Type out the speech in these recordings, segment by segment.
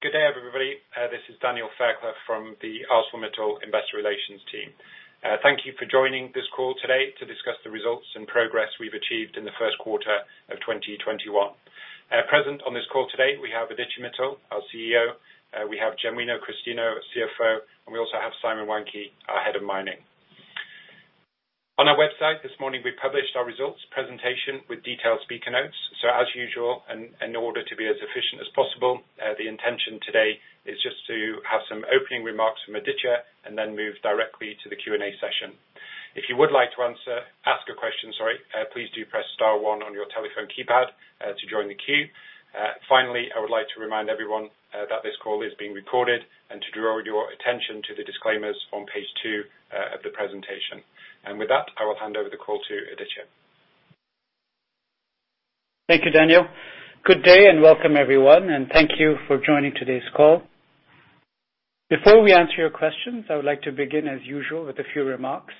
Good day, everybody. This is Daniel Fairclough from the ArcelorMittal Investor Relations team. Thank you for joining this call today to discuss the results and progress we've achieved in the first quarter of 2021. Present on this call today, we have Aditya Mittal, our CEO, we have Genuino Christino, our CFO, and we also have Simon Wandke, our Head of Mining. On our website this morning, we published our results presentation with detailed speaker notes. As usual, and in order to be as efficient as possible, the intention today is just to have some opening remarks from Aditya and then move directly to the Q&A session. If you would like to ask a question, please do press star one on your telephone keypad to join the queue. Finally, I would like to remind everyone that this call is being recorded and to draw your attention to the disclaimers on page two of the presentation. With that, I will hand over the call to Aditya. Thank you, Daniel. Good day, welcome everyone, thank you for joining today's call. Before we answer your questions, I would like to begin, as usual, with a few remarks.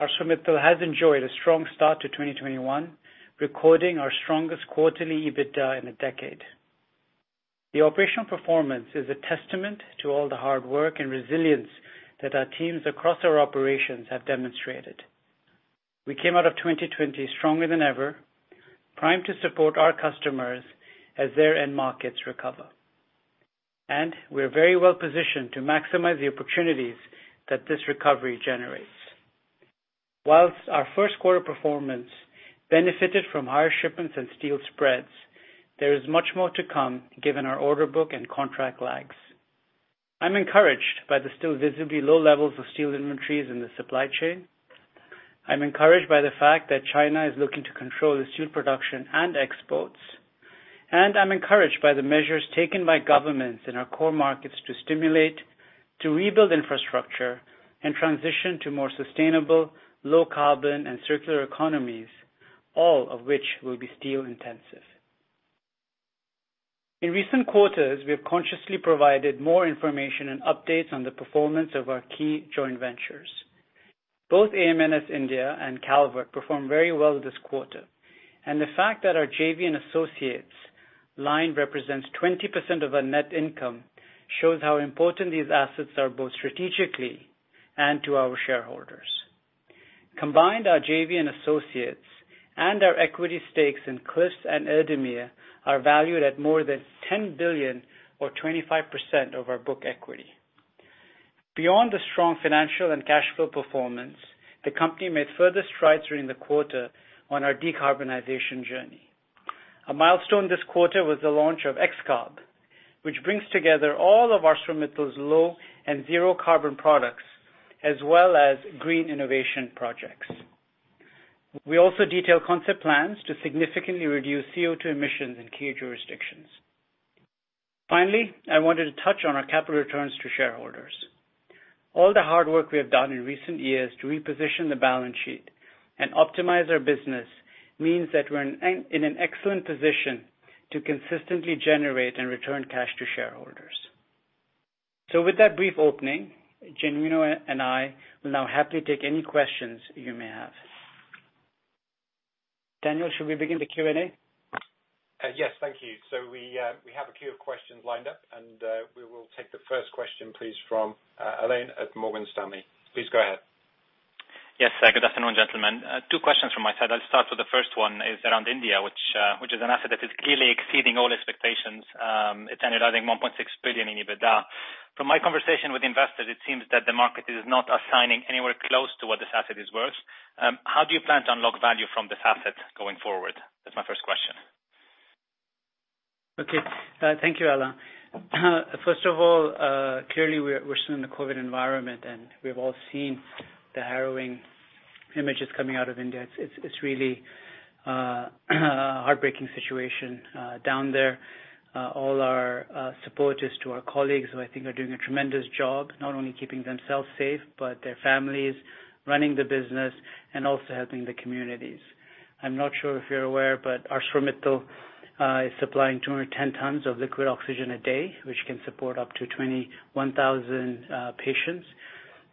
ArcelorMittal has enjoyed a strong start to 2021, recording our strongest quarterly EBITDA in a decade. The operational performance is a testament to all the hard work and resilience that our teams across our operations have demonstrated. We came out of 2020 stronger than ever, primed to support our customers as their end markets recover. We're very well-positioned to maximize the opportunities that this recovery generates. Whilst our first quarter performance benefited from higher shipments and steel spreads, there is much more to come given our order book and contract lags. I'm encouraged by the still visibly low levels of steel inventories in the supply chain. I'm encouraged by the fact that China is looking to control the steel production and exports, and I'm encouraged by the measures taken by governments in our core markets to stimulate, to rebuild infrastructure, and transition to more sustainable, low carbon and circular economies, all of which will be steel intensive. In recent quarters, we have consciously provided more information and updates on the performance of our key joint ventures. Both AM/NS India and Calvert performed very well this quarter. The fact that our JV and associates line represents 20% of our net income shows how important these assets are, both strategically and to our shareholders. Combined, our JV and associates and our equity stakes in Cliffs and Erdemir are valued at more than $10 billion or 25% of our book equity. Beyond the strong financial and cash flow performance, the company made further strides during the quarter on our decarbonization journey. A milestone this quarter was the launch of XCarb, which brings together all of ArcelorMittal's low and zero carbon products, as well as green innovation projects. We also detailed concept plans to significantly reduce CO2 emissions in key jurisdictions. I wanted to touch on our capital returns to shareholders. All the hard work we have done in recent years to reposition the balance sheet and optimize our business means that we're in an excellent position to consistently generate and return cash to shareholders. With that brief opening, Genuino and I will now happily take any questions you may have. Daniel, should we begin the Q&A? Yes, thank you. We have a queue of questions lined up, and we will take the first question, please, from Alain at Morgan Stanley. Please go ahead. Yes. Good afternoon, gentlemen. Two questions from my side. I'll start with the first one is around India, which is an asset that is clearly exceeding all expectations. It's generating $1.6 billion in EBITDA. From my conversation with investors, it seems that the market is not assigning anywhere close to what this asset is worth. How do you plan to unlock value from this asset going forward? That's my first question. Okay. Thank you, Alain. First of all, clearly we're still in the COVID environment, and we've all seen the harrowing images coming out of India. It's really a heartbreaking situation down there. All our support is to our colleagues, who I think are doing a tremendous job, not only keeping themselves safe, but their families, running the business and also helping the communities. I'm not sure if you're aware, but ArcelorMittal is supplying 210 tons of liquid oxygen a day, which can support up to 21,000 patients.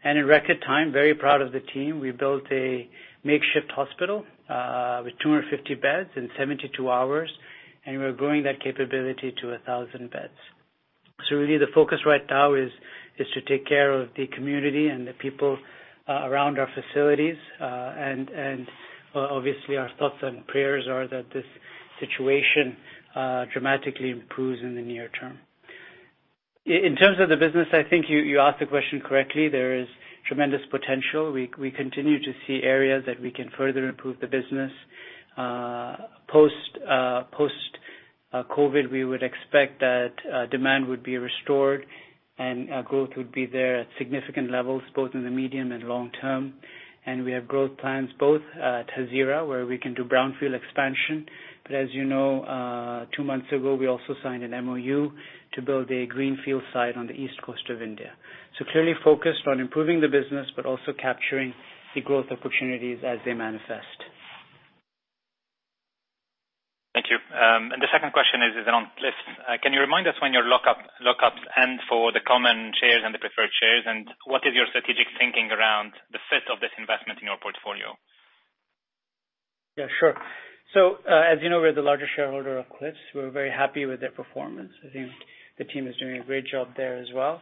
In record time, very proud of the team, we built a makeshift hospital, with 250 beds in 72 hours, and we're growing that capability to 1,000 beds. Really the focus right now is to take care of the community and the people around our facilities. Obviously our thoughts and prayers are that this situation dramatically improves in the near term. In terms of the business, I think you asked the question correctly. There is tremendous potential. We continue to see areas that we can further improve the business. Post-COVID, we would expect that demand would be restored and growth would be there at significant levels, both in the medium and long term. We have growth plans both at Hazira, where we can do brownfield expansion. As you know, two months ago, we also signed an MoU to build a greenfield site on the east coast of India. Clearly focused on improving the business, but also capturing the growth opportunities as they manifest. Thank you. The second question is around Cleveland-Cliffs. Can you remind us when your lock-ups end for the common shares and the preferred shares? What is your strategic thinking around the fit of this investment in your portfolio? Yeah, sure. As you know, we're the largest shareholder of Cliffs. We're very happy with their performance. I think the team is doing a great job there as well.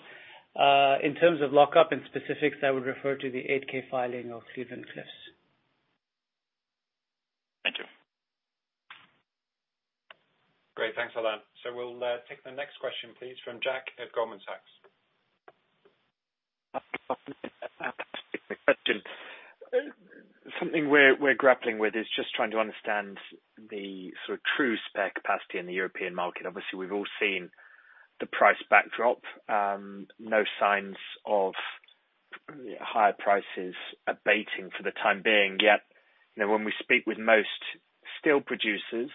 In terms of lockup and specifics, I would refer to the 8-K filing of Cleveland-Cliffs. Thank you. Great. Thanks, Alain. We'll take the next question, please, from Jack at Goldman Sachs. Question. Something we're grappling with is just trying to understand the true spare capacity in the European market. Obviously, we've all seen the price backdrop. No signs of higher prices abating for the time being yet. When we speak with most steel producers,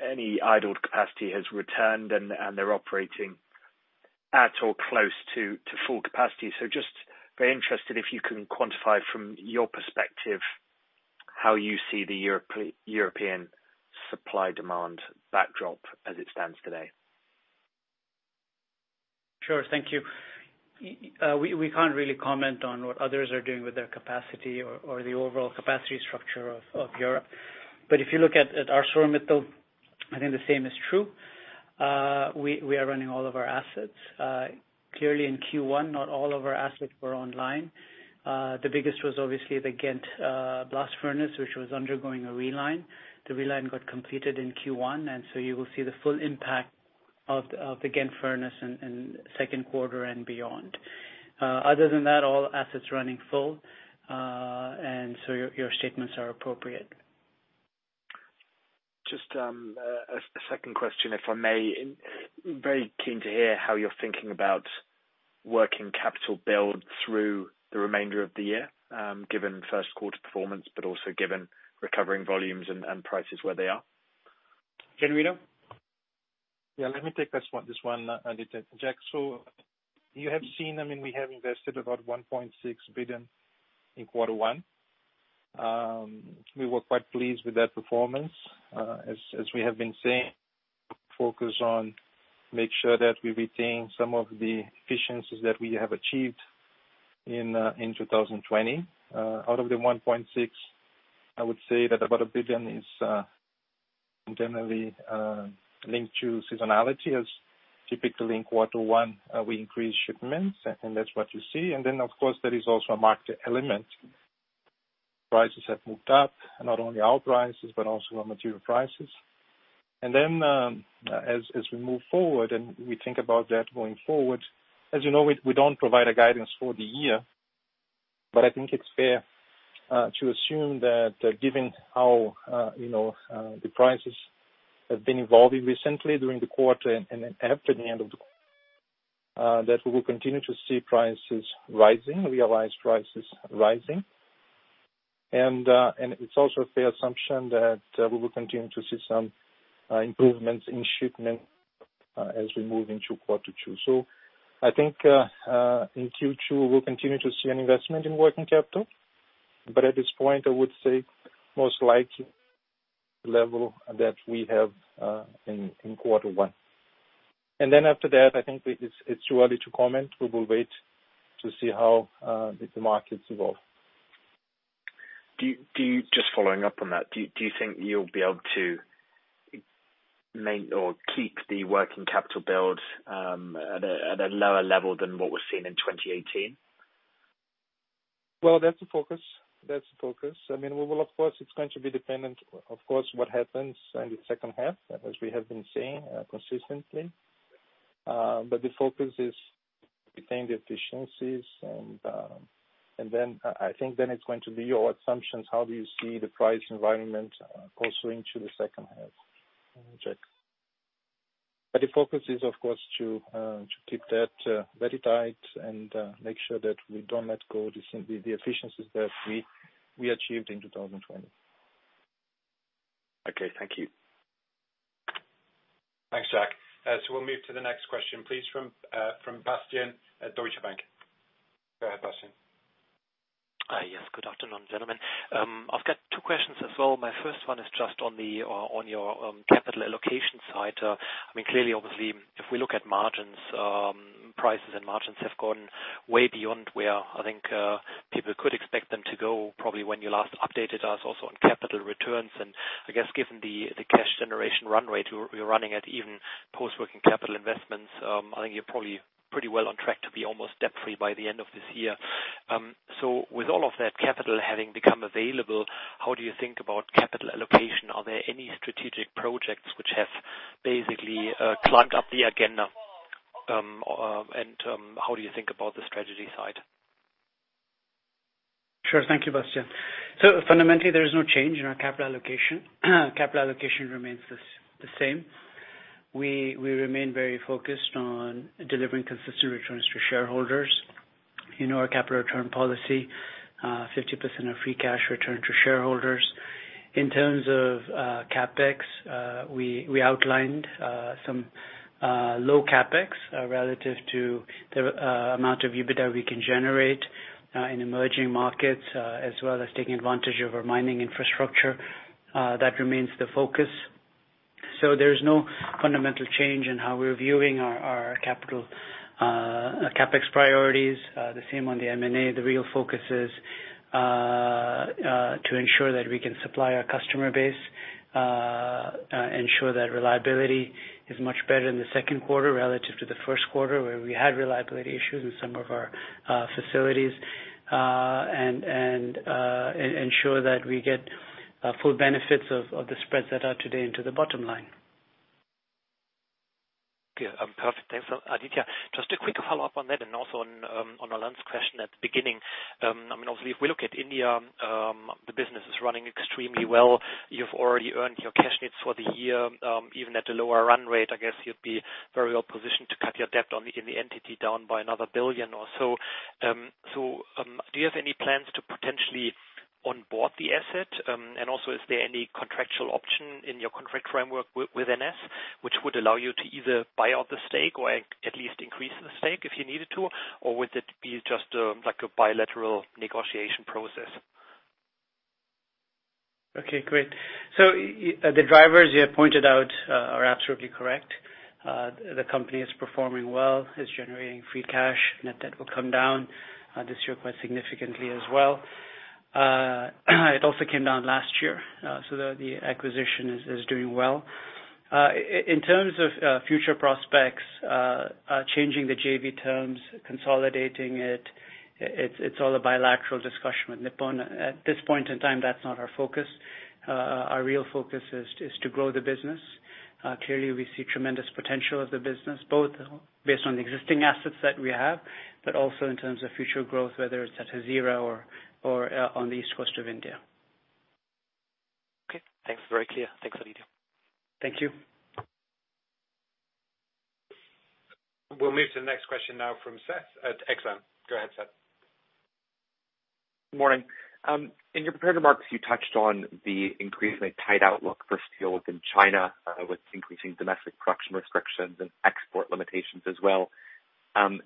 any idled capacity has returned, and they're operating at or close to full capacity. Just very interested if you can quantify from your perspective how you see the European supply-demand backdrop as it stands today. Sure. Thank you. We can't really comment on what others are doing with their capacity or the overall capacity structure of Europe. If you look at ArcelorMittal, I think the same is true. We are running all of our assets. Clearly in Q1, not all of our assets were online. The biggest was obviously the Ghent blast furnace, which was undergoing a reline. The reline got completed in Q1, so you will see the full impact of the Ghent furnace in second quarter and beyond. Other than that, all assets running full, so your statements are appropriate. Just a second question, if I may. Very keen to hear how you're thinking about working capital build through the remainder of the year, given first quarter performance, also given recovering volumes and prices where they are. Genuino? Yeah, let me take this one, Jack. You have seen, we have invested about $1.6 billion in quarter one. We were quite pleased with that performance. As we have been saying, focus on make sure that we retain some of the efficiencies that we have achieved in 2020. Out of the $1.6, I would say that about $1 billion is generally linked to seasonality, as typically in quarter one, we increase shipments, and that's what you see. Of course, there is also a market element. Prices have moved up, not only our prices, but also raw material prices. Then as we move forward, and we think about that going forward, as you know, we don't provide a guidance for the year, but I think it's fair to assume that given how the prices have been evolving recently during the quarter and after the end of the, that we will continue to see prices rising, realized prices rising. It's also a fair assumption that we will continue to see some improvements in shipment as we move into quarter two. I think in Q2, we'll continue to see an investment in working capital. At this point, I would say most likely level that we have in quarter 1. Then after that, I think it's too early to comment. We will wait to see how the markets evolve. Just following up on that, do you think you'll be able to keep the working capital build at a lower level than what was seen in 2018? Well, that's the focus. Of course, it's going to be dependent, of course, what happens in the second half, as we have been saying consistently. The focus is retain the efficiencies and I think then it's going to be your assumptions. How do you see the price environment post into the second half, Jack? The focus is, of course, to keep that very tight and make sure that we don't let go the efficiencies that we achieved in 2020. Okay. Thank you. Thanks, Jack. We'll move to the next question, please, from Bastian at Deutsche Bank. Go ahead, Bastian. Yes, good afternoon, gentlemen. I've got two questions as well. My first one is just on your capital allocation side. Clearly, obviously, if we look at margins, prices and margins have gone way beyond where I think people could expect them to go, probably when you last updated us also on capital returns. I guess given the cash generation runway to where you're running at even post-working capital investments, I think you're probably pretty well on track to be almost debt-free by the end of this year. With all of that capital having become available, how do you think about capital allocation? Are there any strategic projects which have basically climbed up the agenda? How do you think about the strategy side? Sure. Thank you, Bastian. Fundamentally, there is no change in our capital allocation. Capital allocation remains the same. We remain very focused on delivering consistent returns to shareholders. You know our capital return policy, 50% of free cash return to shareholders. In terms of CapEx, we outlined some low CapEx relative to the amount of EBITDA we can generate in emerging markets as well as taking advantage of our mining infrastructure. That remains the focus. There's no fundamental change in how we're viewing our CapEx priorities, the same on the M&A. The real focus is to ensure that we can supply our customer base, ensure that reliability is much better in the second quarter relative to the first quarter, where we had reliability issues in some of our facilities. Ensure that we get full benefits of the spreads that are today into the bottom line. Okay. Perfect. Thanks, Aditya. Just a quick follow-up on that and also on Alain's question at the beginning. Obviously, if we look at India, the business is running extremely well. You've already earned your cash nets for the year. Even at a lower run rate, I guess you'd be very well positioned to cut your debt in the entity down by another $1 billion or so. Do you have any plans to potentially onboard the asset? Is there any contractual option in your contract framework with NS, which would allow you to either buy out the stake or at least increase the stake if you needed to, or would it be just a bilateral negotiation process? Okay, great. The drivers you have pointed out are absolutely correct. The company is performing well, is generating free cash. Net debt will come down this year quite significantly as well. It also came down last year. The acquisition is doing well. In terms of future prospects, changing the JV terms, consolidating it's all a bilateral discussion with Nippon. At this point in time, that's not our focus. Our real focus is to grow the business. Clearly, we see tremendous potential of the business, both based on the existing assets that we have, but also in terms of future growth, whether it's at Hazira or on the east coast of India. Okay, thanks. Very clear. Thanks, Aditya. Thank you. We'll move to the next question now from Seth at Exane. Go ahead, Seth. Morning. In your prepared remarks, you touched on the increasingly tight outlook for steel within China, with increasing domestic production restrictions and export limitations as well.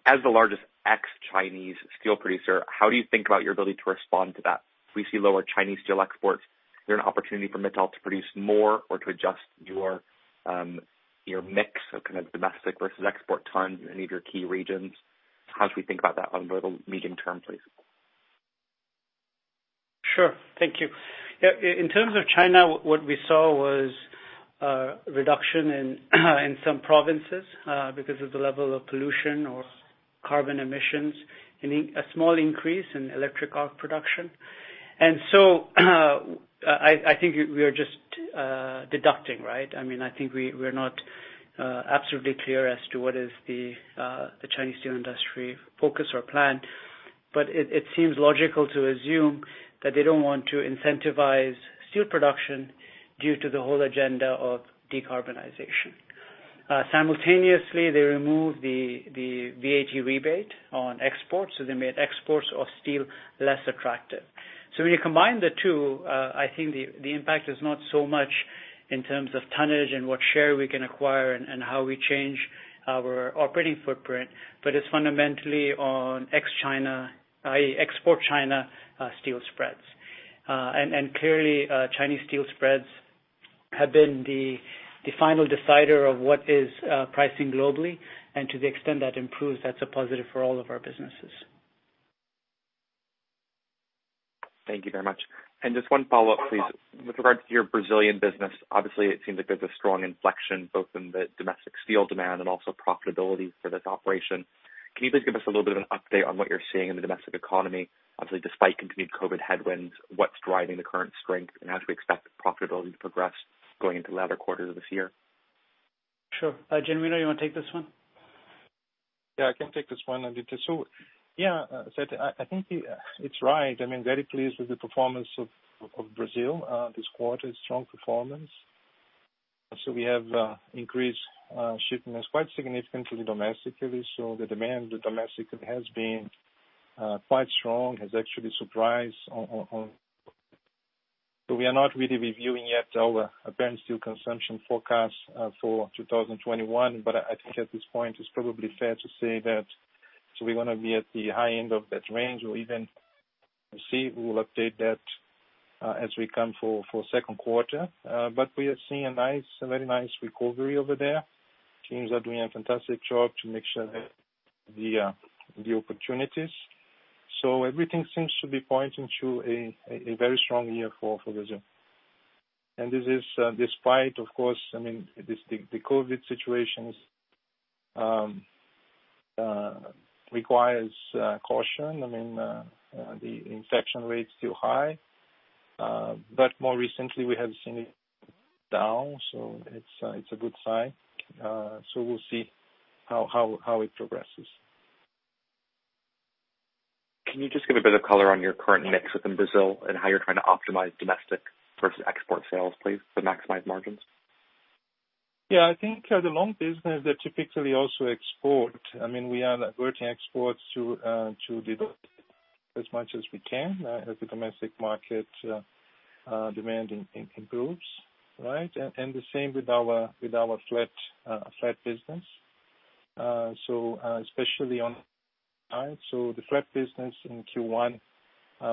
As the largest ex-Chinese steel producer, how do you think about your ability to respond to that? If we see lower Chinese steel exports, is there an opportunity for Mittal to produce more or to adjust your mix of kind of domestic versus export ton in any of your key regions? How should we think about that over the medium term, please? Sure. Thank you. Yeah, in terms of China, what we saw was a reduction in some provinces because of the level of pollution or carbon emissions, and a small increase in electric arc production. I think we are just deducting, right? I think we are not absolutely clear as to what is the Chinese steel industry focus or plan. It seems logical to assume that they don't want to incentivize steel production due to the whole agenda of decarbonization. Simultaneously, they removed the VAT rebate on exports, they made exports of steel less attractive. When you combine the two, I think the impact is not so much in terms of tonnage and what share we can acquire and how we change our operating footprint, but it's fundamentally on ex China, i.e., export China steel spreads. Clearly, Chinese steel spreads have been the final decider of what is pricing globally. To the extent that improves, that's a positive for all of our businesses. Thank you very much. Just one follow-up, please. With regard to your Brazilian business, obviously, it seems like there's a strong inflection both in the domestic steel demand and also profitability for this operation. Can you please give us a little of an update on what you're seeing in the domestic economy? Obviously, despite continued COVID headwinds, what's driving the current strength, and how should we expect profitability to progress going into the latter quarters of this year? Sure. Genuino, you want to take this one? Yeah, I can take this one, Aditya. Yeah, Seth, I think it's right. I'm very pleased with the performance of Brazil this quarter. Strong performance. We have increased shipments quite significantly domestically. The demand domestically has been quite strong. It's actually surprised. We are not really reviewing yet our apparent steel consumption forecast for 2021. I think at this point, it's probably fair to say that we're going to be at the high end of that range, or even see, we will update that as we come for second quarter. We are seeing a very nice recovery over there. Teams are doing a fantastic job to make sure that the opportunities. Everything seems to be pointing to a very strong year for Brazil. This is despite, of course, the COVID situation requires caution. The infection rate is still high. More recently, we have seen it down. It's a good sign. We'll see how it progresses. Can you just give a bit of color on your current mix within Brazil and how you are trying to optimize domestic versus export sales, please, to maximize margins? Yeah, I think the long business, they typically also export. We are diverting exports to develop as much as we can as the domestic market demand improves, right? The same with our flat business. Especially on iron. The flat business in Q1,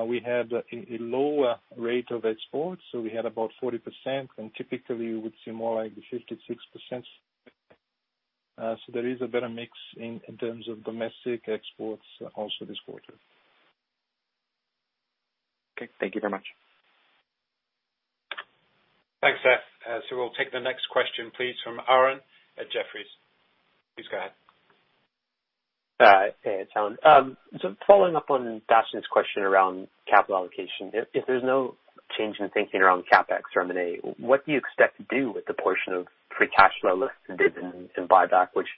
we had a lower rate of export. We had about 40%, and typically you would see more like 56%. There is a better mix in terms of domestic exports also this quarter. Okay. Thank you very much. Thanks, Seth. We'll take the next question, please, from Arun at Jefferies. Please go ahead. Hey, it's Arun. Following up on Bastian's question around capital allocation, if there's no change in thinking around CapEx from an A, what do you expect to do with the portion of free cash flow listed in buyback, which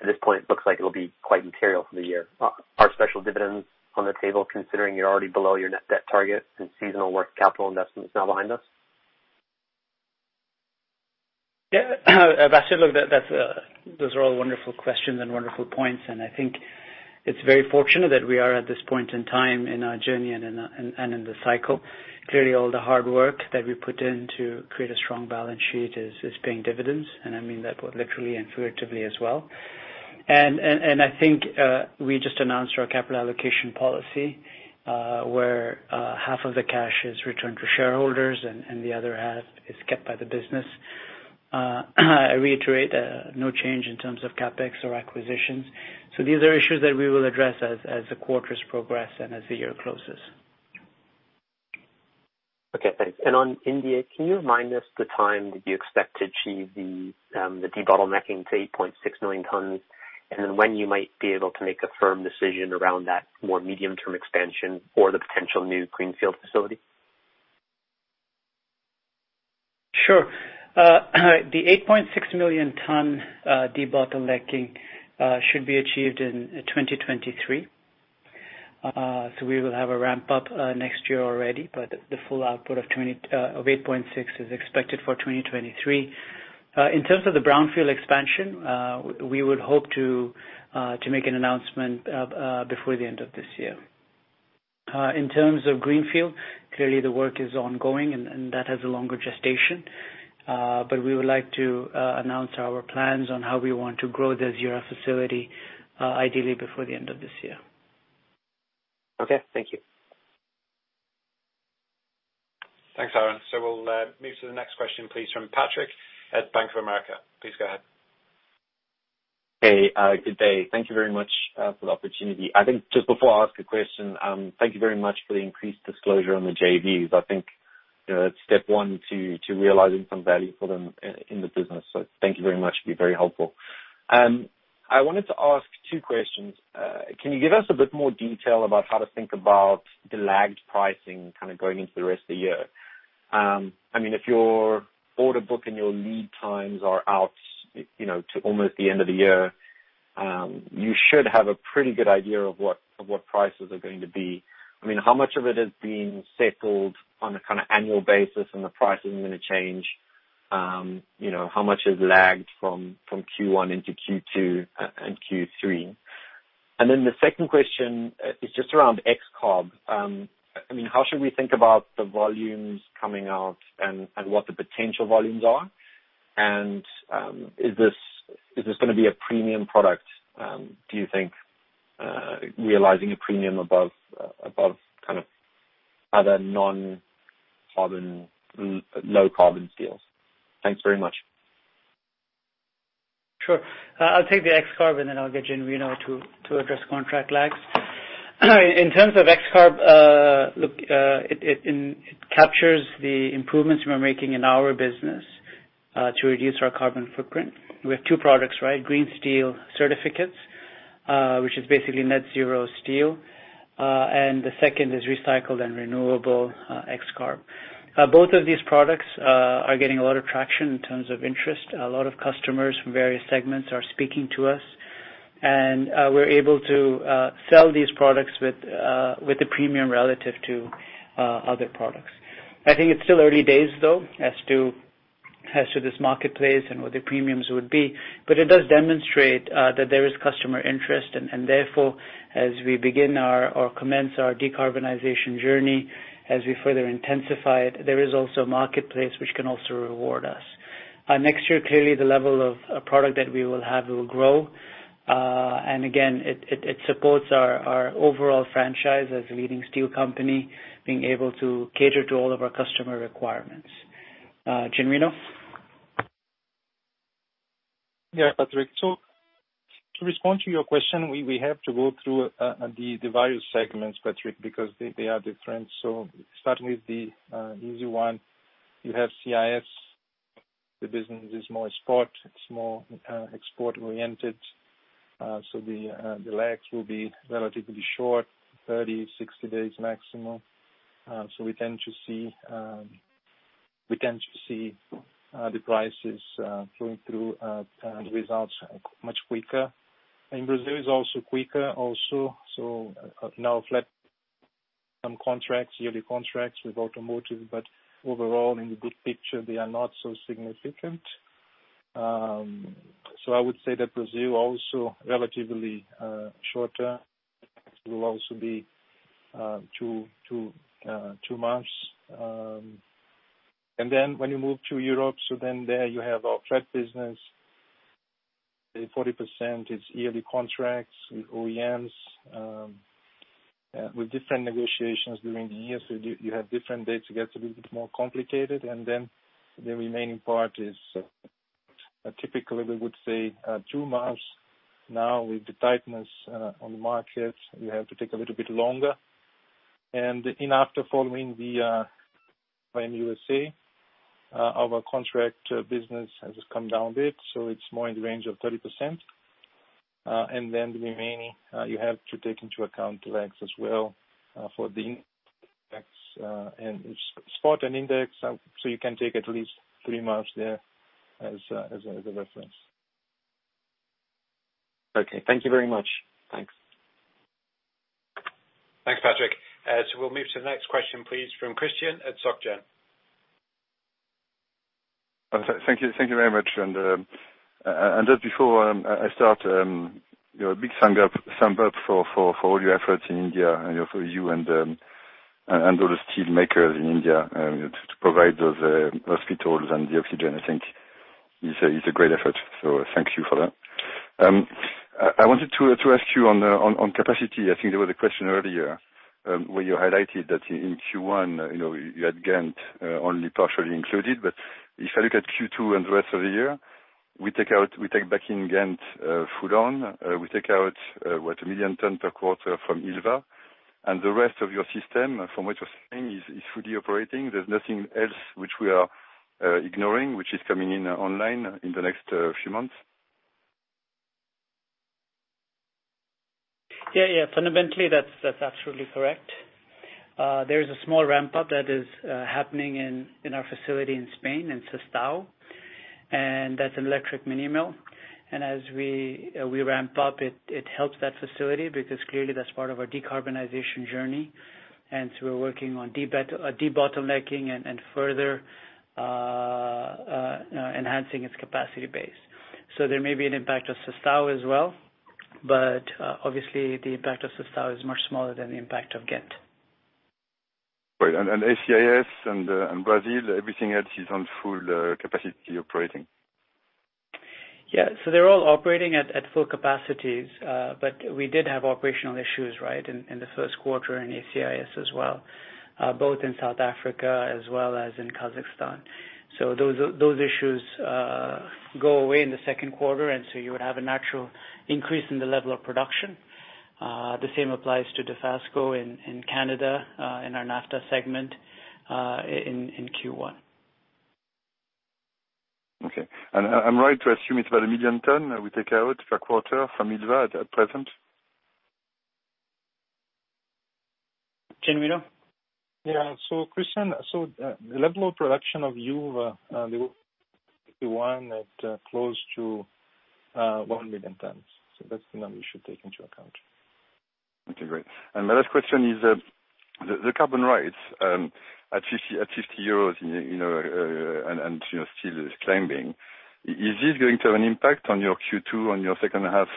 at this point looks like it'll be quite material for the year? Are special dividends on the table considering you're already below your net debt target and seasonal working capital investment is now behind us? Arun, look, those are all wonderful questions and wonderful points. I think it's very fortunate that we are at this point in time in our journey and in the cycle. Clearly, all the hard work that we put in to create a strong balance sheet is paying dividends, and I mean that both literally and figuratively as well. I think, we just announced our capital allocation policy, where half of the cash is returned to shareholders and the other half is kept by the business. I reiterate, no change in terms of CapEx or acquisitions. These are issues that we will address as the quarters progress and as the year closes. Okay, thanks. On India, can you remind us the time that you expect to achieve the debottlenecking to 8.6 million tons? Then when you might be able to make a firm decision around that more medium-term expansion for the potential new greenfield facility? Sure. The 8.6 million ton debottlenecking should be achieved in 2023. We will have a ramp-up next year already, but the full output of 8.6 is expected for 2023. In terms of the brownfield expansion, we would hope to make an announcement before the end of this year. In terms of greenfield, clearly the work is ongoing and that has a longer gestation. We would like to announce our plans on how we want to grow the Hazira facility, ideally before the end of this year. Okay. Thank you. Thanks, Arun. We'll move to the next question, please, from Patrick at Bank of America. Please go ahead. Hey. Good day. Thank you very much for the opportunity. I think just before I ask a question, thank you very much for the increased disclosure on the JVs. I think that's step one to realizing some value for them in the business. Thank you very much. It'll be very helpful. I wanted to ask two questions. Can you give us a bit more detail about how to think about the lagged pricing kind of going into the rest of the year? If your order book and your lead times are out to almost the end of the year, you should have a pretty good idea of what prices are going to be. How much of it is being settled on a kind of annual basis and the pricing is going to change? How much is lagged from Q1 into Q2 and Q3? The second question is just around XCarb. How should we think about the volumes coming out and what the potential volumes are? Is this going to be a premium product, do you think, realizing a premium above kind of other non-carbon, low-carbon steels? Thanks very much. Sure. I'll take the XCarb, and then I'll get Genuino Christino to address contract lags. In terms of XCarb, look, it captures the improvements we're making in our business to reduce our carbon footprint. We have two products, right? Green steel certificates, which is basically net zero steel. The second is recycled and renewable XCarb. Both of these products are getting a lot of traction in terms of interest. A lot of customers from various segments are speaking to us, and we're able to sell these products with a premium relative to other products. I think it's still early days, though, as to this marketplace and what the premiums would be. But it does demonstrate that there is customer interest, and therefore, as we commence our decarbonization journey, as we further intensify it, there is also a marketplace which can also reward us. Next year, clearly, the level of a product that we will have will grow. Again, it supports our overall franchise as a leading steel company being able to cater to all of our customer requirements. Genuino Christino? Patrick. To respond to your question, we have to go through the various segments, Patrick, because they are different. Starting with the easy one, you have CIS. The business is more export. It's more export-oriented. The lags will be relatively short, 30, 60 days maximum. We tend to see the prices flowing through and results much quicker. In Brazil, it's also quicker also. Now flat some contracts, yearly contracts with automotive, but overall, in the big picture, they are not so significant. I would say that Brazil also relatively shorter will also be two months. When you move to Europe, there you have our thread business. 40% is yearly contracts with OEMs, with different negotiations during the year, you have different dates. It gets a little bit more complicated. The remaining part is typically, we would say, two months now with the tightness on the market, we have to take a little bit longer. In after following the plan USA, our contract business has come down a bit, so it's more in the range of 30%. The remaining, you have to take into account lags as well for the index, and it's spot and index, so you can take at least three months there as a reference. Okay. Thank you very much. Thanks. Thanks, Patrick. We'll move to the next question, please, from Christian at SocGen. Thank you very much. Just before I start, a big thumbs up for all your efforts in India and for you and all the steel makers in India to provide those hospitals and the oxygen, I think is a great effort. Thank you for that. I wanted to ask you on capacity. I think there was a question earlier, where you highlighted that in Q1, you had Ghent only partially included. If I look at Q2 and the rest of the year, we take back in Ghent full on. We take out, what, a million ton per quarter from Ilva? The rest of your system, from what you're saying, is fully operating. There's nothing else which we are ignoring, which is coming online in the next few months? Yeah. Fundamentally, that's absolutely correct. There is a small ramp-up that is happening in our facility in Spain, in Sestao. That's an electric mini mill. As we ramp up it helps that facility because clearly that's part of our decarbonization journey. We're working on de-bottlenecking and further enhancing its capacity base. There may be an impact of Sestao as well, but obviously the impact of Sestao is much smaller than the impact of Ghent. Right. ACIS and Brazil, everything else is on full capacity operating? Yeah. They're all operating at full capacities. We did have operational issues right in the first quarter in ACIS as well, both in South Africa as well as in Kazakhstan. Those issues go away in the second quarter, and so you would have a natural increase in the level of production. The same applies to Dofasco in Canada, in our NAFTA segment, in Q1. Okay. I'm right to assume it's about 1 million tons we take out per quarter from Ilva at present? Can we know? Christian, the level of production of Ilva, at close to 1 million tons. That's the number you should take into account. Okay, great. My last question is, the carbon rights at 50 euros, and still is climbing, is this going to have an impact on your Q2, on your second half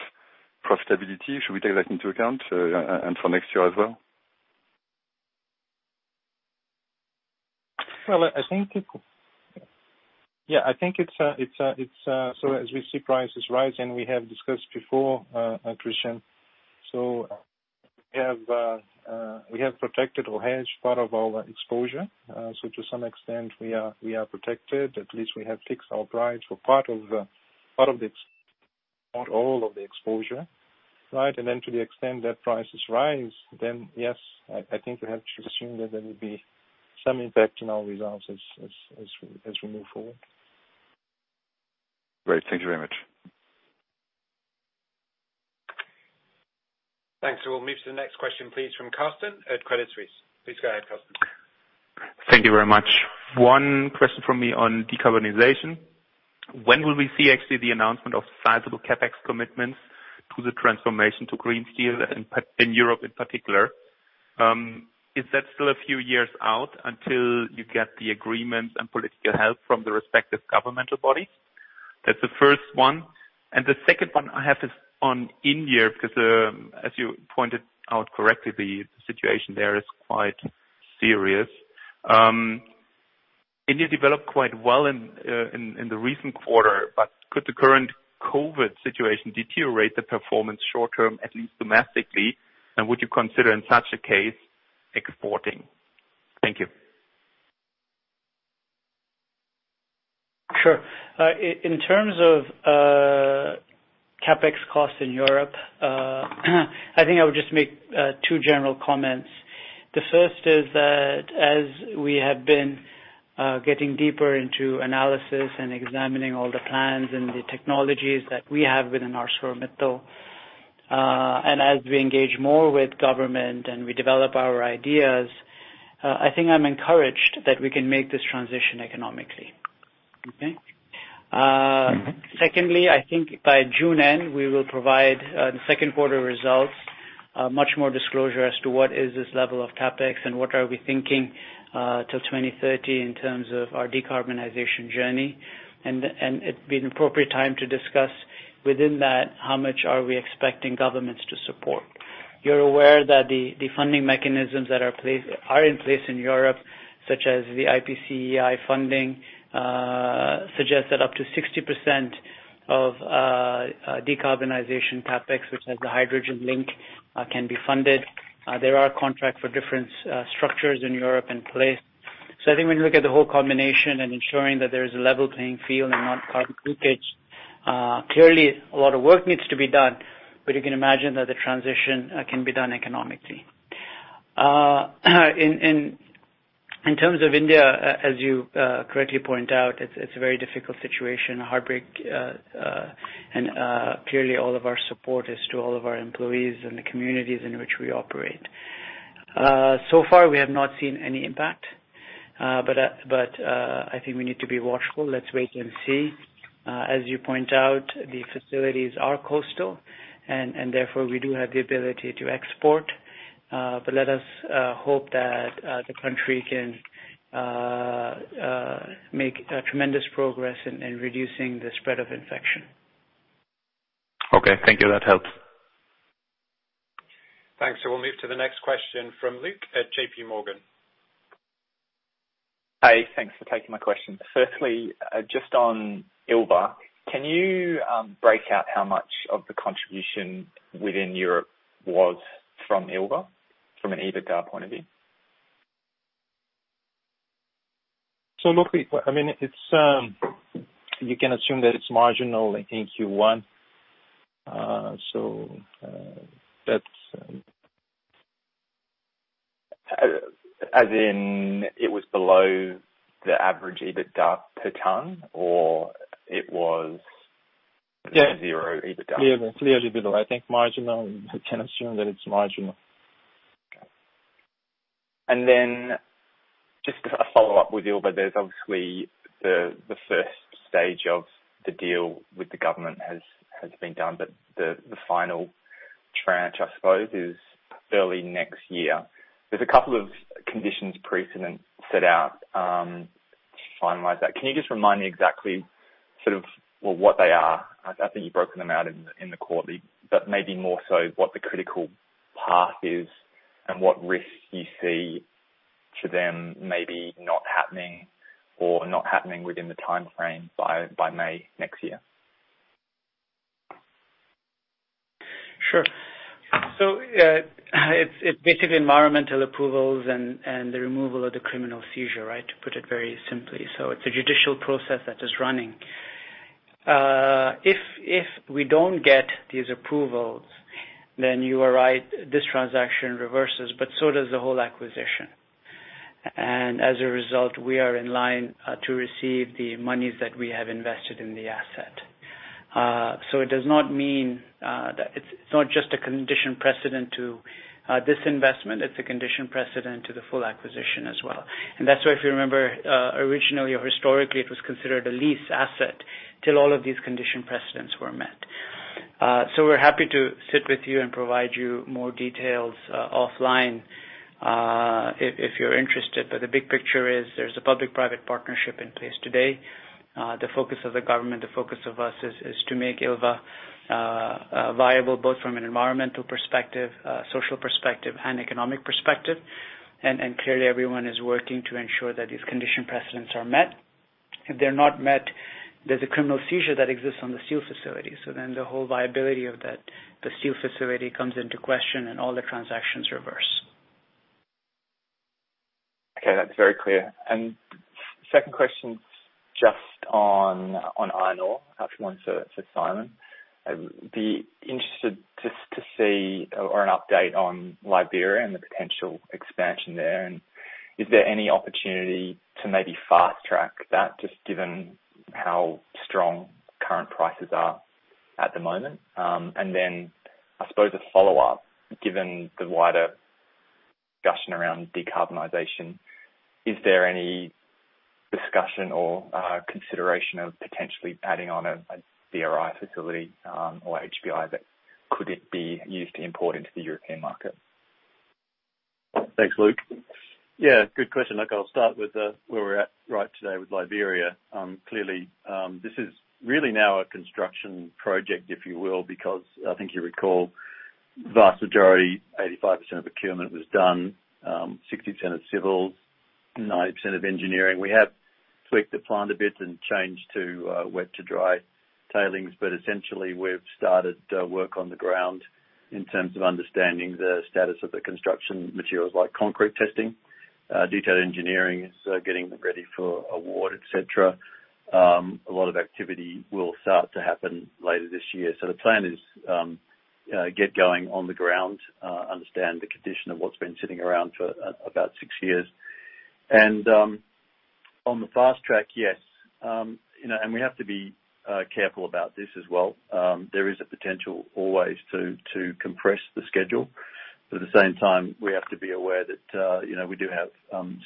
profitability? Should we take that into account, and for next year as well? I think as we see prices rising, we have discussed before, Christian, we have protected or hedged part of our exposure. To some extent, we are protected. At least we have fixed our price for part of the exposure, not all of the exposure. To the extent that prices rise, yes, I think we have to assume that there will be some impact on our results as we move forward. Great. Thank you very much. Thanks. We'll move to the next question, please, from Carsten at Credit Suisse. Please go ahead, Carsten. Thank you very much. One question from me on decarbonization. When will we see actually the announcement of sizable CapEx commitments to the transformation to green steel in Europe in particular? Is that still a few years out until you get the agreements and political help from the respective governmental bodies? That's the first one. The second one I have is on India, because, as you pointed out correctly, the situation there is quite serious. India developed quite well in the recent quarter, could the current COVID situation deteriorate the performance short-term, at least domestically? Would you consider in such a case, exporting? Thank you. Sure. In terms of CapEx costs in Europe, I think I would just make two general comments. The first is that as we have been getting deeper into analysis and examining all the plans and the technologies that we have within ArcelorMittal, and as we engage more with government and we develop our ideas, I think I'm encouraged that we can make this transition economically. Okay? Secondly, I think by June end, we will provide the second quarter results, much more disclosure as to what is this level of CapEx and what are we thinking till 2030 in terms of our decarbonization journey. It would be an appropriate time to discuss. Within that, how much are we expecting governments to support? You're aware that the funding mechanisms that are in place in Europe, such as the IPCEI funding, suggest that up to 60% of decarbonization CapEx, which has the hydrogen link, can be funded. There are contract for difference structures in Europe in place. I think when you look at the whole combination and ensuring that there is a level playing field and not carbon leakage, clearly a lot of work needs to be done. You can imagine that the transition can be done economically. In terms of India, as you correctly point out, it's a very difficult situation, a heartbreak, and clearly all of our support is to all of our employees and the communities in which we operate. So far we have not seen any impact, but I think we need to be watchful. Let's wait and see. As you point out, the facilities are coastal and therefore we do have the ability to export. Let us hope that the country can make tremendous progress in reducing the spread of infection. Okay. Thank you. That helps. Thanks. We'll move to the next question from Luke at JPMorgan. Hi. Thanks for taking my question. Firstly, just on Ilva, can you break out how much of the contribution within Europe was from Ilva from an EBITDA point of view? Look, you can assume that it's marginal in Q1. As in it was below the average EBITDA per ton. Yeah zero EBITDA? Clearly below. I think marginal. You can assume that it's marginal. Okay. Just a follow-up with Ilva. There's obviously the stage 1 of the deal with the government has been done, but the final tranche, I suppose, is early next year. There's a couple of conditions precedent set out to finalize that. Can you just remind me exactly sort of, well, what they are? I think you've broken them out in the quarterly, but maybe more so what the critical path is and what risks you see to them maybe not happening or not happening within the timeframe by May next year. Sure. It's basically environmental approvals and the removal of the criminal seizure, right? To put it very simply. It's a judicial process that is running. If we don't get these approvals, then you are right, this transaction reverses, but so does the whole acquisition. As a result, we are in line to receive the monies that we have invested in the asset. It's not just a condition precedent to this investment, it's a condition precedent to the full acquisition as well. That's why, if you remember, originally or historically, it was considered a lease asset till all of these condition precedents were met. We're happy to sit with you and provide you more details offline, if you're interested. The big picture is there's a public-private partnership in place today. The focus of the government, the focus of us is to make Ilva viable, both from an environmental perspective, social perspective, and economic perspective. Clearly everyone is working to ensure that these condition precedents are met. If they're not met, there's a criminal seizure that exists on the steel facility. The whole viability of the steel facility comes into question and all the transactions reverse. Okay. That's very clear. Second question, just on iron ore. Actually, one to Simon. I'd be interested just to see or an update on Liberia and the potential expansion there, and is there any opportunity to maybe fast-track that just given how strong current prices are at the moment? Then I suppose a follow-up, given the wider discussion around decarbonization, is there any discussion or consideration of potentially adding on a DRI facility or HBI that could it be used to import into the European market? Thanks, Luke. Yeah, good question. Look, I'll start with where we're at right today with Liberia. This is really now a construction project, if you will, because I think you recall vast majority, 85% of procurement was done, 60% of civil, 90% of engineering. We have tweaked the plan a bit and changed to wet to dry tailings. Essentially we've started work on the ground in terms of understanding the status of the construction materials like concrete testing. Detailed engineering is getting ready for award, et cetera. A lot of activity will start to happen later this year. The plan is get going on the ground, understand the condition of what's been sitting around for about six years. On the fast track, yes. We have to be careful about this as well. There is a potential always to compress the schedule. At the same time, we have to be aware that we do have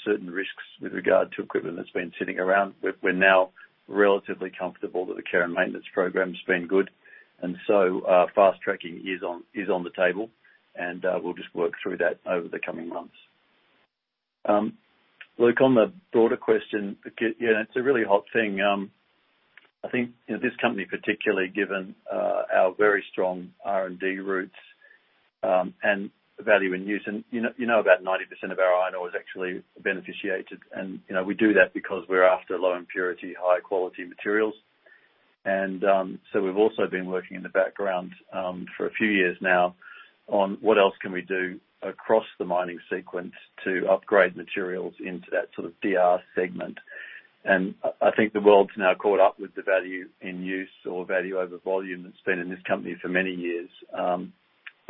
certain risks with regard to equipment that's been sitting around. We're now relatively comfortable that the care and maintenance program's been good, fast-tracking is on the table, and we'll just work through that over the coming months. Luke, on the broader question, yeah, it's a really hot thing. I think this company, particularly given our very strong R&D roots, and the value in use. You know about 90% of our iron ore is actually beneficiated. We do that because we're after low impurity, high-quality materials. We've also been working in the background for a few years now on what else can we do across the mining sequence to upgrade materials into that sort of DR segment. I think the world's now caught up with the value in use or value over volume that's been in this company for many years.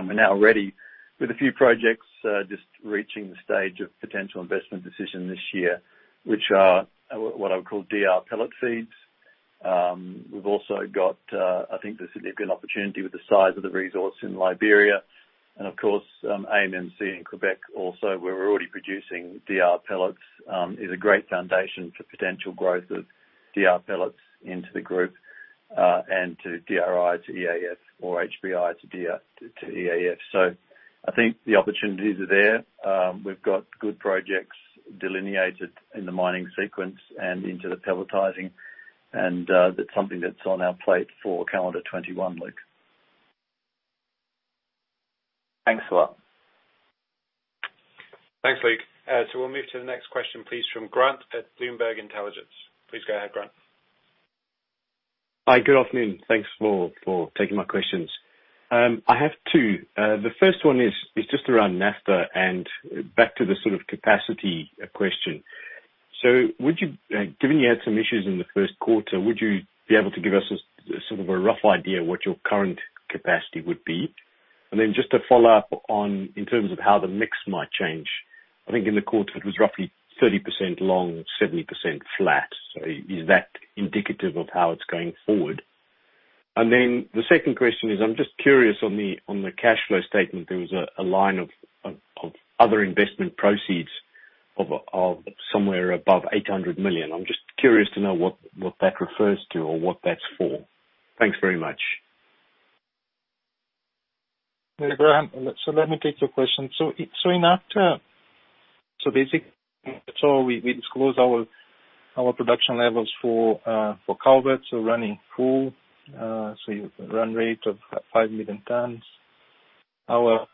We're now ready with a few projects just reaching the stage of potential investment decision this year, which are what I would call DR pellet feeds. We've also got, I think, the significant opportunity with the size of the resource in Liberia and of course, AMMC in Quebec also, where we're already producing DR pellets, is a great foundation for potential growth of DR pellets into the group, and to DRI to EAF or HBI to EAF. I think the opportunities are there. We've got good projects delineated in the mining sequence and into the pelletizing, that's something that's on our plate for calendar 2021, Luke. Thanks a lot. Thanks, Luke. We'll move to the next question, please, from Grant at Bloomberg Intelligence. Please go ahead, Grant. Hi. Good afternoon. Thanks for taking my questions. I have two. The first one is just around NAFTA and back to the sort of capacity question. Given you had some issues in the first quarter, would you be able to give us a sort of a rough idea what your current capacity would be? Just to follow up on in terms of how the mix might change. I think in the quarter it was roughly 30% long, 70% flat. Is that indicative of how it's going forward? The second question is, I'm just curious on the cash flow statement, there was a line of other investment proceeds of somewhere above $800 million. I'm just curious to know what that refers to or what that's for. Thanks very much. Hey, Grant. Let me take your question. In NAFTA, basically, we disclose our production levels for Calvert, running full. Run rate of five million tons. Our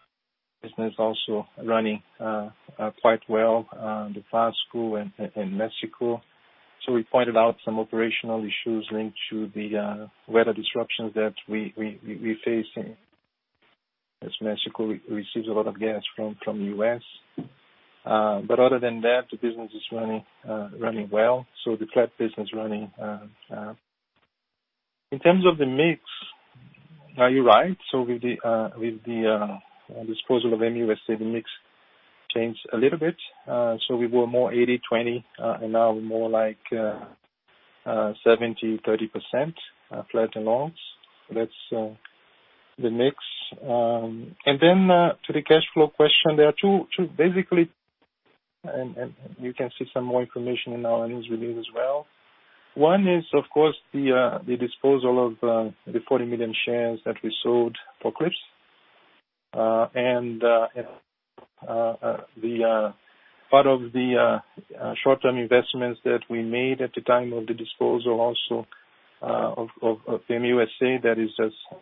business also running quite well, Dofasco and Mexico. We pointed out some operational issues linked to the weather disruptions that we face in Mexico. We receive a lot of gas from the U.S. Other than that, the business is running well. The flat business running. In terms of the mix, you're right. With the disposal of ArcelorMittal USA, the mix changed a little bit. We were more 80/20, and now we're more like 70%-30% flat and longs. That's the mix. Then, to the cash flow question, there are two, basically, and you can see some more information in our earnings release as well. One is, of course, the disposal of the 40 million shares that we sold for Cliffs. Part of the short-term investments that we made at the time of the disposal also of AM USA. Hi,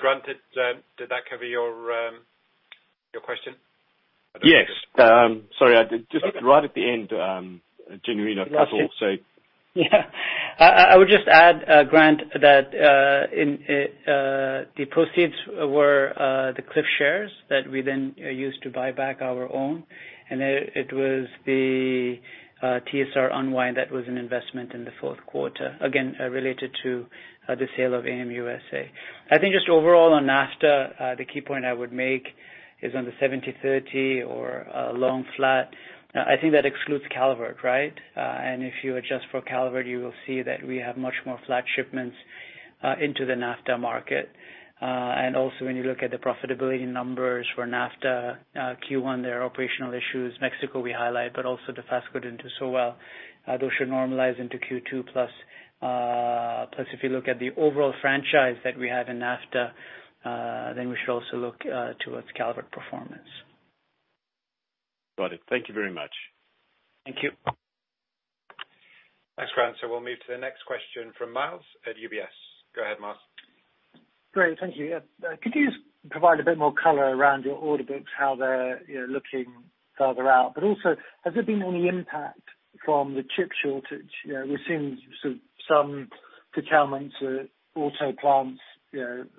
Grant. Did that cover your question? Yes. Sorry. Just right at the end, Genuino, a couple. I would just add, Grant, that the proceeds were the Cliff shares that we then used to buy back our own, and it was the TSR unwind that was an investment in the fourth quarter. Again, related to the sale of AM USA. I think just overall on NAFTA, the key point I would make is on the 70/30 or long flat. I think that excludes Calvert, right? If you adjust for Calvert, you will see that we have much more flat shipments into the NAFTA market. Also, when you look at the profitability numbers for NAFTA Q1, there are operational issues. Mexico we highlight, also Dofasco didn't do so well. Those should normalize into Q2 plus. If you look at the overall franchise that we have in NAFTA, we should also look towards Calvert performance. Got it. Thank you very much. Thank you. Thanks, Grant. We'll move to the next question from Myles at UBS. Go ahead, Miles. Great. Thank you. Could you just provide a bit more color around your order books, how they're looking further out, but also, has there been any impact from the chip shortage? We're seeing some curtailments at auto plants,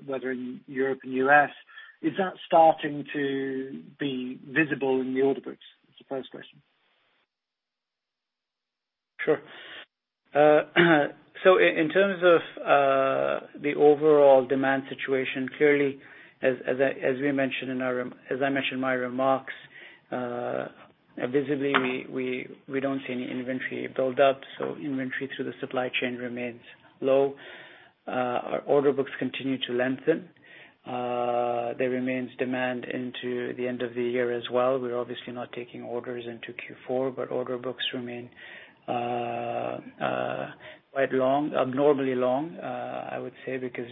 whether in Europe and U.S. Is that starting to be visible in the order books? That's the first question. Sure. In terms of the overall demand situation, clearly as I mentioned in my remarks, visibly, we don't see any inventory build up. Inventory through the supply chain remains low. Our order books continue to lengthen. There remains demand into the end of the year as well. We're obviously not taking orders into Q4, but order books remain quite long, abnormally long, I would say, because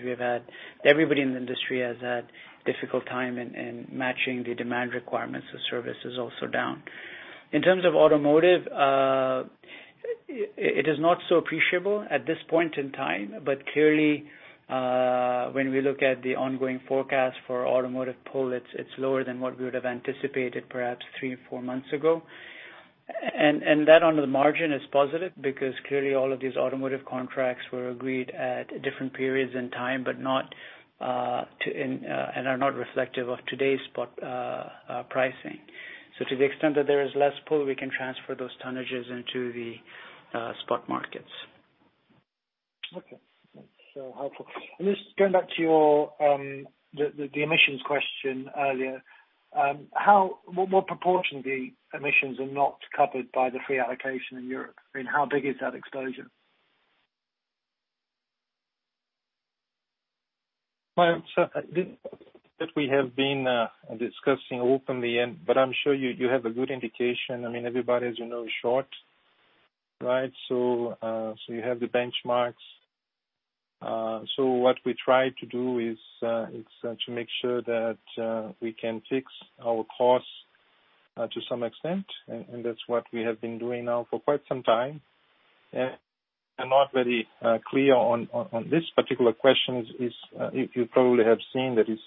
everybody in the industry has had difficult time in matching the demand requirements. The service is also down. In terms of automotive, it is not so appreciable at this point in time, but clearly, when we look at the ongoing forecast for automotive pull, it's lower than what we would've anticipated perhaps three or four months ago. That on the margin is positive because clearly all of these automotive contracts were agreed at different periods in time, and are not reflective of today's spot pricing. To the extent that there is less pull, we can transfer those tonnages into the spot markets. Okay. That's helpful. Just going back to the emissions question earlier, what proportion of the emissions are not covered by the free allocation in Europe? How big is that exposure? Well, that we have been discussing openly and, I'm sure you have a good indication. Everybody, as you know, is short, right? You have the benchmarks. What we try to do is to make sure that we can fix our costs to some extent, and that's what we have been doing now for quite some time. I'm not very clear on this particular question is, if you probably have seen there is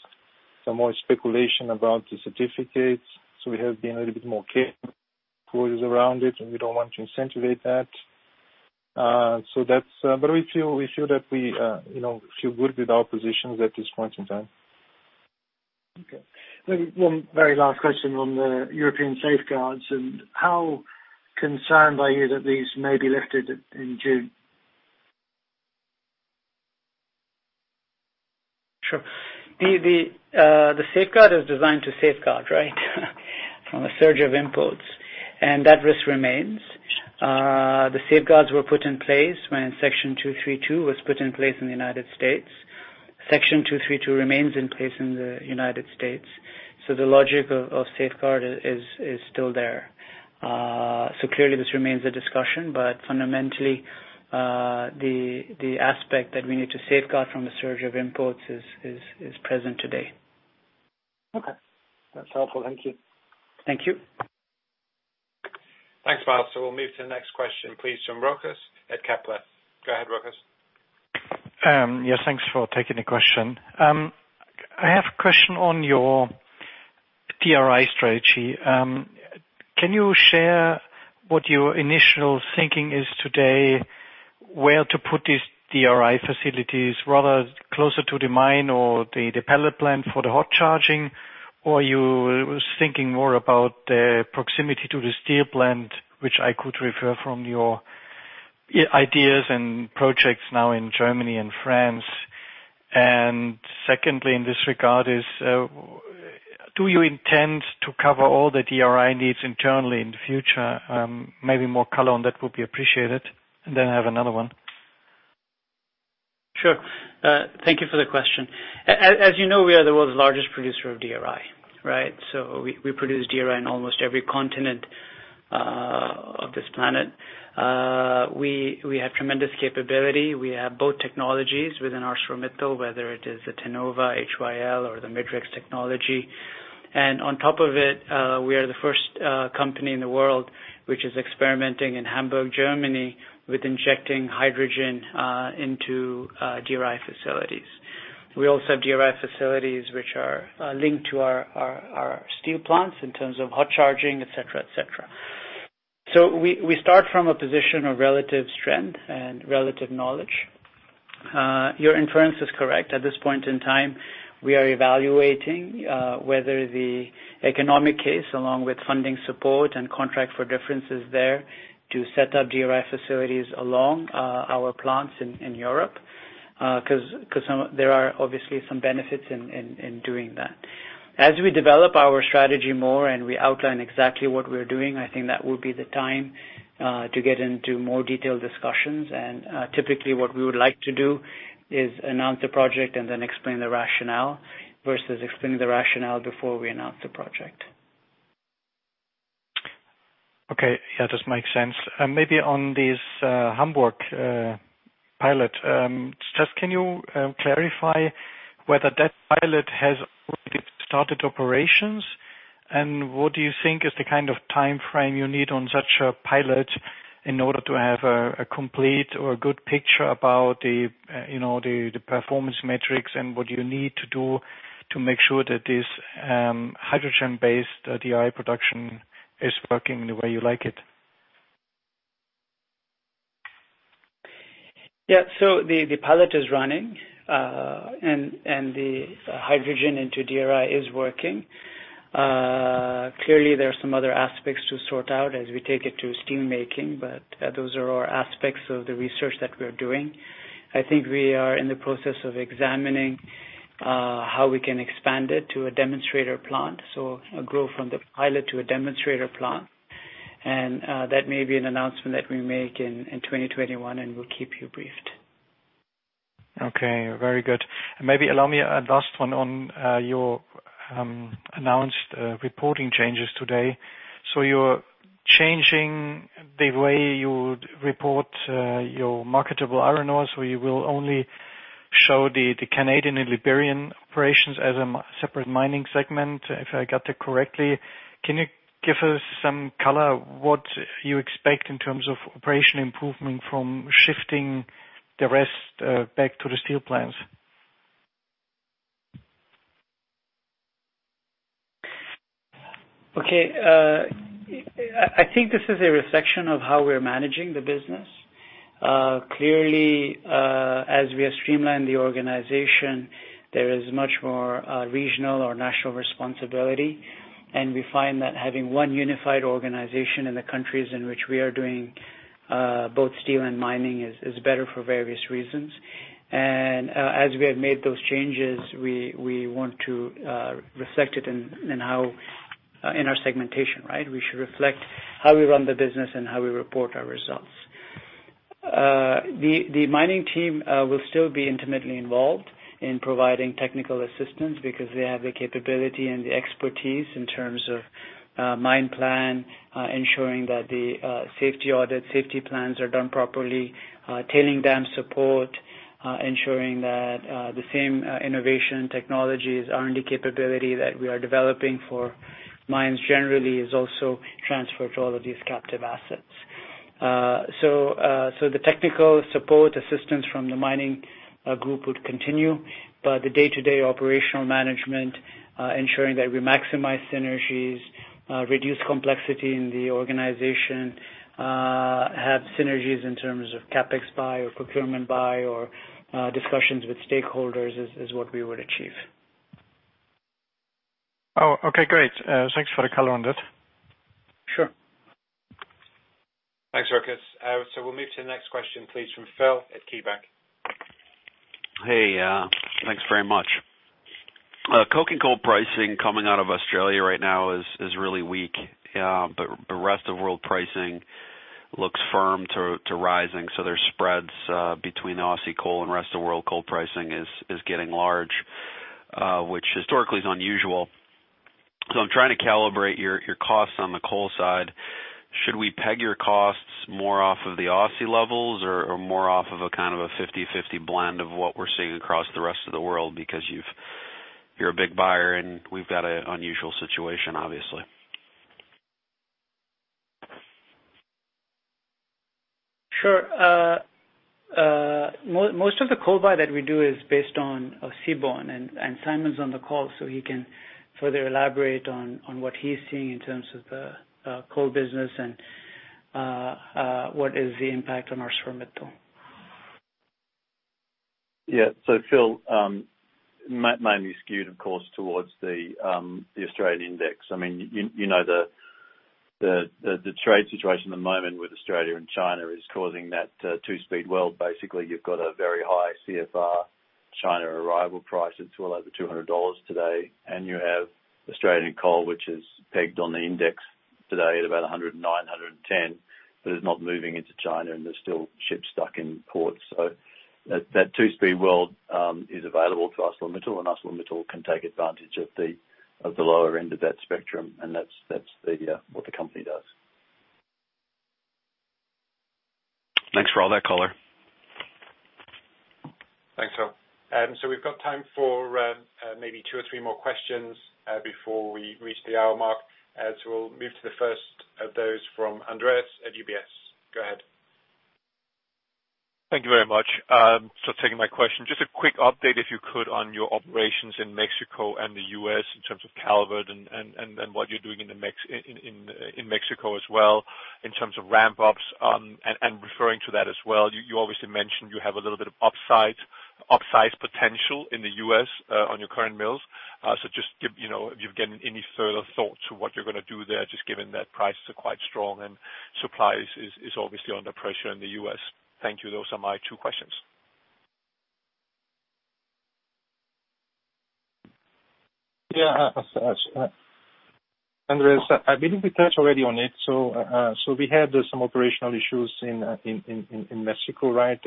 some more speculation about the certificates, so we have been a little bit more careful who is around it, and we don't want to incentivize that. We feel good with our positions at this point in time. Okay. Maybe one very last question on the European safeguards and how concerned are you that these may be lifted in June? Sure. The safeguard is designed to safeguard, right? From a surge of imports, that risk remains. The safeguards were put in place when Section 232 was put in place in the U.S. Section 232 remains in place in the U.S. The logic of safeguard is still there. Clearly this remains a discussion, but fundamentally, the aspect that we need to safeguard from the surge of imports is present today. Okay. That's helpful. Thank you. Thank you. Thanks, Myles. We'll move to the next question, please, from Rochus at Kepler. Go ahead, Rochus. Yes, thanks for taking the question. I have a question on your DRI strategy. Can you share what your initial thinking is today, where to put these DRI facilities rather closer to the mine or the pellet plant for the hot charging? You were thinking more about the proximity to the steel plant, which I could refer from your ideas and projects now in Germany and France. Secondly, in this regard is, do you intend to cover all the DRI needs internally in the future? Maybe more color on that would be appreciated. I have another one. Sure. Thank you for the question. As you know, we are the world's largest producer of DRI. We produce DRI in almost every continent of this planet. We have tremendous capability. We have both technologies within ArcelorMittal, whether it is the Tenova HYL or the MIDREX technology. On top of it, we are the first company in the world which is experimenting in Hamburg, Germany, with injecting hydrogen into DRI facilities. We also have DRI facilities which are linked to our steel plants in terms of hot charging, et cetera. We start from a position of relative strength and relative knowledge. Your inference is correct. At this point in time, we are evaluating whether the economic case, along with funding support and contract for difference is there to set up DRI facilities along our plants in Europe, because there are obviously some benefits in doing that. As we develop our strategy more and we outline exactly what we're doing, I think that would be the time to get into more detailed discussions. Typically what we would like to do is announce the project and then explain the rationale versus explaining the rationale before we announce the project. Okay. Yeah, this makes sense. Maybe on this Hamburg pilot. Just can you clarify whether that pilot has already started operations, and what do you think is the kind of timeframe you need on such a pilot in order to have a complete or a good picture about the performance metrics and what you need to do to make sure that this hydrogen-based DRI production is working the way you like it? Yeah. The pilot is running, and the hydrogen into DRI is working. Clearly, there are some other aspects to sort out as we take it to steelmaking, but those are all aspects of the research that we're doing. I think we are in the process of examining how we can expand it to a demonstrator plant. A growth from the pilot to a demonstrator plant. That may be an announcement that we make in 2021, and we'll keep you briefed. Okay, very good. Maybe allow me a last one on your announced reporting changes today. You're changing the way you would report your marketable iron ore, so you will only show the Canadian and Liberian operations as a separate mining segment, if I got that correctly. Can you give us some color what you expect in terms of operation improvement from shifting the rest back to the steel plants? I think this is a reflection of how we're managing the business. As we have streamlined the organization, there is much more regional or national responsibility. We find that having one unified organization in the countries in which we are doing both steel and mining is better for various reasons. As we have made those changes, we want to reflect it in our segmentation, right? We should reflect how we run the business and how we report our results. The mining team will still be intimately involved in providing technical assistance because they have the capability and the expertise in terms of mine plan, ensuring that the safety audit, safety plans are done properly, tailing dam support ensuring that the same innovation technologies, R&D capability that we are developing for mines generally is also transferred to all of these captive assets. The technical support assistance from the mining group would continue, but the day-to-day operational management ensuring that we maximize synergies, reduce complexity in the organization, have synergies in terms of CapEx buy or procurement buy or discussions with stakeholders is what we would achieve. Oh, okay, great. Thanks for the color on it. Sure. Thanks, Rochus. We'll move to the next question, please, from Phil at KeyBanc. Hey, thanks very much. Coking coal pricing coming out of Australia right now is really weak. The rest of world pricing looks firm to rising. There's spreads between Aussie coal and rest of world coal pricing is getting large, which historically is unusual. I'm trying to calibrate your costs on the coal side. Should we peg your costs more off of the Aussie levels or more off of a kind of a 50-50 blend of what we're seeing across the rest of the world? You're a big buyer and we've got an unusual situation, obviously. Sure. Most of the coal buy that we do is based on seaborne. Simon is on the call, so he can further elaborate on what he's seeing in terms of the coal business and what is the impact on ArcelorMittal. Phil, mainly skewed, of course, towards the Australian index. The trade situation at the moment with Australia and China is causing that two-speed world. Basically, you've got a very high CFR China arrival price. It's well over $200 today. You have Australian coal, which is pegged on the index today at about $109, $110, but is not moving into China, and there's still ships stuck in ports. That two-speed world is available to ArcelorMittal, and ArcelorMittal can take advantage of the lower end of that spectrum, and that's what the company does. Thanks for all that color. Thanks, Phil. We've got time for maybe two or three more questions before we reach the hour mark. We'll move to the first of those from Andrew at UBS. Go ahead. Thank you very much. Taking my question, just a quick update, if you could, on your operations in Mexico and the U.S. in terms of Calvert and what you're doing in Mexico as well in terms of ramp ups. Referring to that as well, you obviously mentioned you have a little bit of upsize potential in the U.S. on your current mills. Just if you've gotten any further thoughts to what you're going to do there, just given that prices are quite strong and supply is obviously under pressure in the U.S. Thank you. Those are my two questions. Yeah. Andrew, I believe we touched already on it. We had some operational issues in Mexico, right?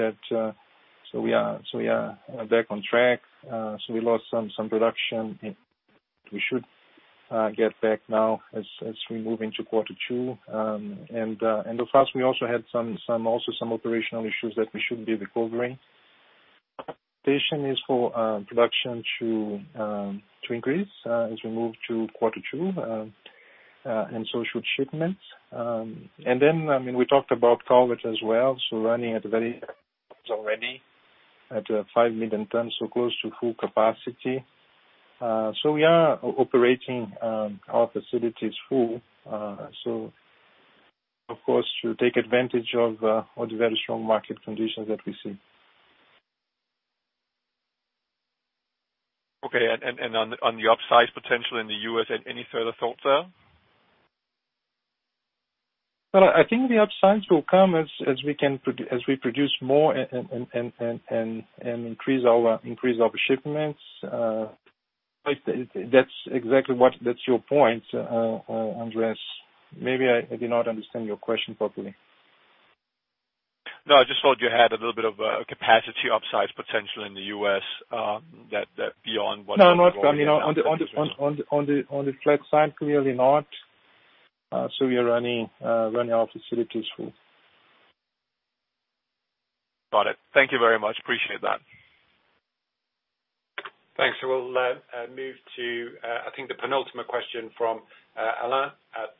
We are back on track. We lost some production. We should get back now as we move into quarter two. At first, we also had some operational issues that we should be recovering. Station is for production to increase as we move to quarter two, and so should shipments. We talked about Calvert as well. Running at very already at 5 million tons, so close to full capacity. We are operating our facilities full. Of course, to take advantage of the very strong market conditions that we see. Okay. On the upsize potential in the U.S., any further thoughts there? Well, I think the upsides will come as we produce more and increase our shipments. That's exactly your point, Andrew. Maybe I did not understand your question properly. No, I just thought you had a little bit of a capacity upsize potential in the U.S. No, not from on the flat side, clearly not. We are running our facilities full. Got it. Thank you very much. Appreciate that. Thanks. We'll move to I think the penultimate question from Alain at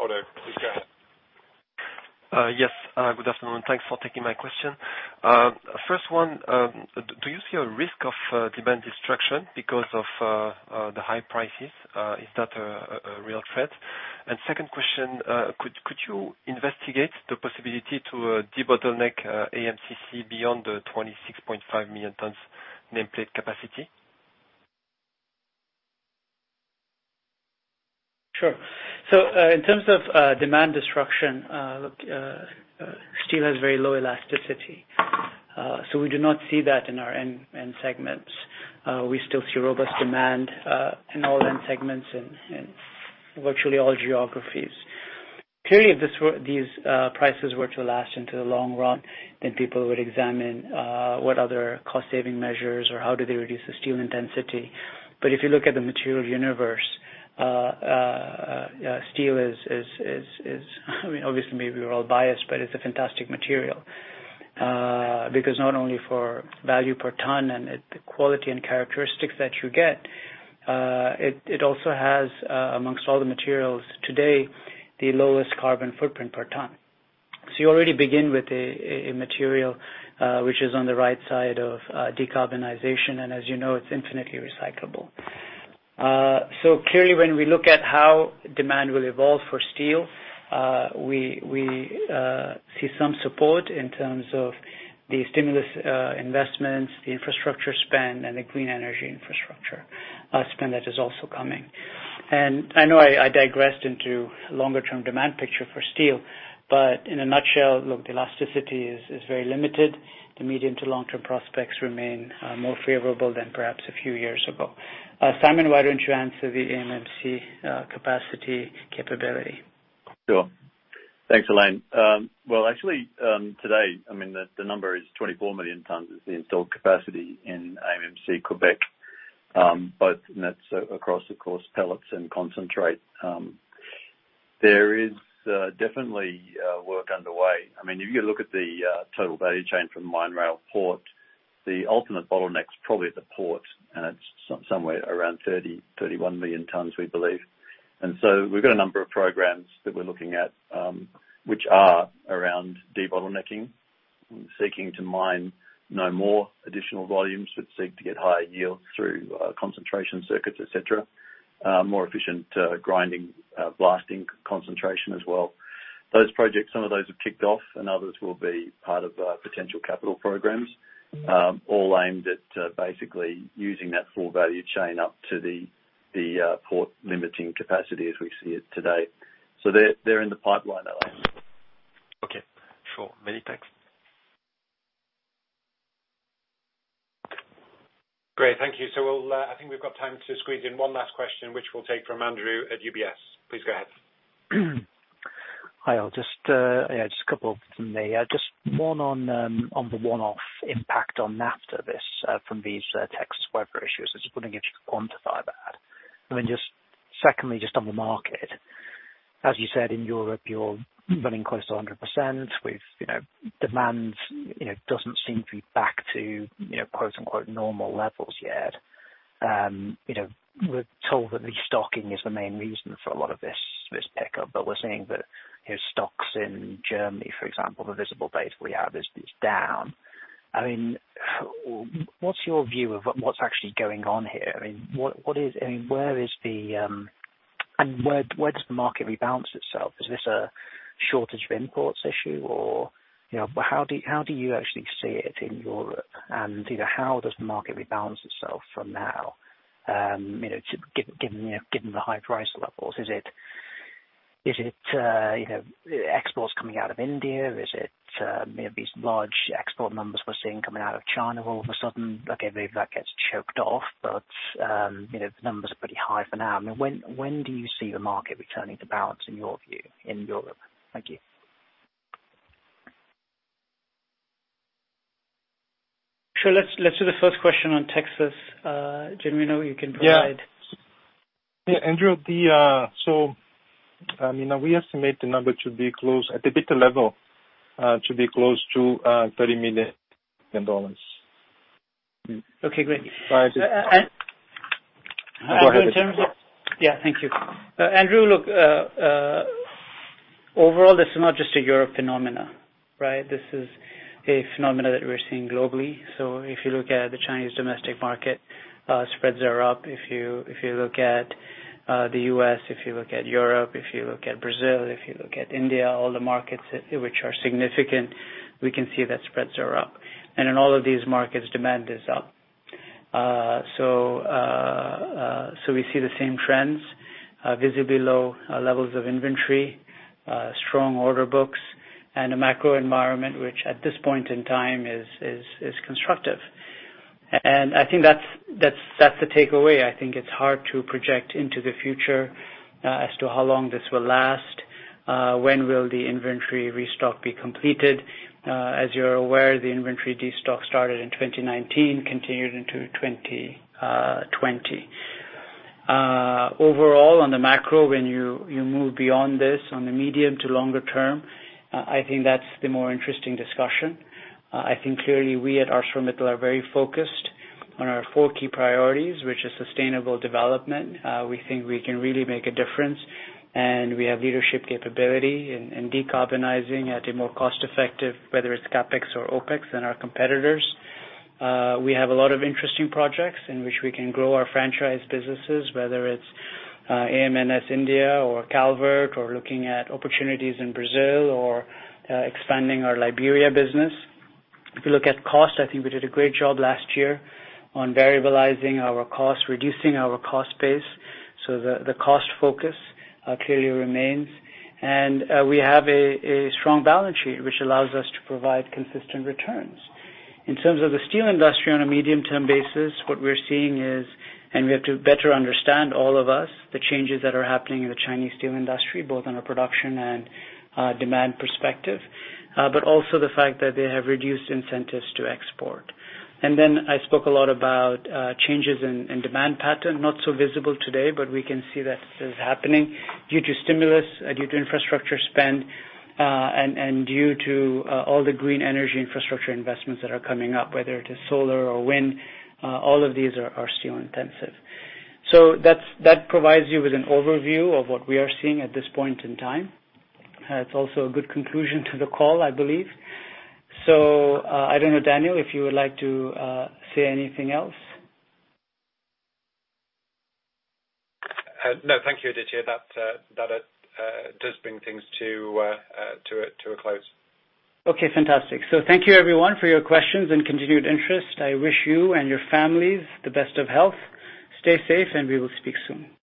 ODDO BHF. Please go ahead. Yes. Good afternoon. Thanks for taking my question. First one, do you see a risk of demand destruction because of the high prices? Is that a real threat? Second question, could you investigate the possibility to debottleneck AMMC beyond the 26.5 million tons nameplate capacity? Sure. In terms of demand destruction, look, steel has very low elasticity. We do not see that in our end segments. We still see robust demand, in all end segments and virtually all geographies. Clearly, if these prices were to last into the long run, then people would examine what other cost-saving measures or how do they reduce the steel intensity. If you look at the material universe, steel is obviously maybe we're all biased, but it's a fantastic material. Not only for value per ton and the quality and characteristics that you get, it also has, amongst all the materials today, the lowest carbon footprint per ton. You already begin with a material which is on the right side of decarbonization, and as you know, it's infinitely recyclable. Clearly when we look at how demand will evolve for steel, we see some support in terms of the stimulus investments, the infrastructure spend, and the green energy infrastructure spend that is also coming. I know I digressed into longer-term demand picture for steel, but in a nutshell, look, the elasticity is very limited. The medium to long-term prospects remain more favorable than perhaps a few years ago. Simon, why don't you answer the AMMC capacity capability? Thanks, Alain. Today, the number is 24 million tons is the installed capacity in AMMC Quebec, both and that's across, of course, pellets and concentrate. There is definitely work underway. If you look at the total value chain from mine rail port, the ultimate bottleneck's probably at the port, and it's somewhere around 30, 31 million tons, we believe. We've got a number of programs that we're looking at, which are around debottlenecking. Seeking to mine no more additional volumes but seek to get higher yield through concentration circuits, et cetera. More efficient grinding, blasting concentration as well. Those projects, some of those have kicked off and others will be part of potential Capital programs, all aimed at basically using that full value chain up to the port limiting capacity as we see it today. They're in the pipeline, Alain. Okay. Sure. Many thanks. Great. Thank you. I think we've got time to squeeze in one last question, which we'll take from Andrew at UBS. Please go ahead. Hi all, just a couple from me. Just one on the one-off impact on NAFTA from these Texas weather issues. I was just wondering if you could quantify that. Secondly, just on the market. As you said, in Europe, you're running close to 100% with demand doesn't seem to be back to "normal levels" yet. We're told that the stocking is the main reason for a lot of this pickup, but we're seeing that stocks in Germany, for example, the visible base we have is down. What's your view of what's actually going on here? Where does the market rebalance itself? Is this a shortage of imports issue, or how do you actually see it in Europe? How does the market rebalance itself from now, given the high price levels? Is it exports coming out of India? Is it these large export numbers we're seeing coming out of China all of a sudden? Okay, maybe that gets choked off, but the numbers are pretty high for now. When do you see the market returning to balance in your view in Europe? Thank you. Sure. Let's do the first question on Texas. Genuino. Yeah. Yeah, Andrew. We estimate the number should be close at EBITDA level, to $30 million. Okay, great. Right. And- Go ahead. Thank you. Andrew, look, overall, this is not just a Europe phenomena, right? This is a phenomena that we're seeing globally. If you look at the Chinese domestic market, spreads are up. If you look at the U.S., if you look at Europe, if you look at Brazil, if you look at India, all the markets which are significant, we can see that spreads are up. In all of these markets, demand is up. We see the same trends, visibly low levels of inventory, strong order books. A macro environment, which at this point in time is constructive. I think that's the takeaway. I think it's hard to project into the future as to how long this will last, when will the inventory restock be completed. As you're aware, the inventory destock started in 2019, continued into 2020. Overall, on the macro, when you move beyond this on the medium to longer term, I think that's the more interesting discussion. I think clearly we at ArcelorMittal are very focused on our four key priorities, which is sustainable development. We think we can really make a difference, and we have leadership capability in decarbonizing at a more cost-effective, whether it's CapEx or OpEx, than our competitors. We have a lot of interesting projects in which we can grow our franchise businesses, whether it's AM/NS India or Calvert or looking at opportunities in Brazil or expanding our Liberia business. If you look at cost, I think we did a great job last year on variabilizing our cost, reducing our cost base. The cost focus clearly remains. We have a strong balance sheet, which allows us to provide consistent returns. In terms of the steel industry on a medium-term basis, what we're seeing is, and we have to better understand, all of us, the changes that are happening in the Chinese steel industry, both on a production and demand perspective. Also the fact that they have reduced incentives to export. I spoke a lot about changes in demand pattern, not so visible today, but we can see that is happening due to stimulus, due to infrastructure spend, and due to all the green energy infrastructure investments that are coming up, whether it is solar or wind. All of these are steel intensive. That provides you with an overview of what we are seeing at this point in time. It's also a good conclusion to the call, I believe. I don't know, Daniel, if you would like to say anything else. No. Thank you, Aditya. That does bring things to a close. Okay, fantastic. Thank you everyone for your questions and continued interest. I wish you and your families the best of health. Stay safe, and we will speak soon.